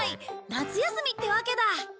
夏休みってわけだ。